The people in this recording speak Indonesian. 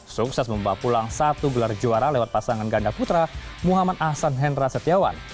sukses membawa pulang satu gelar juara lewat pasangan ganda putra muhammad ahsan hendra setiawan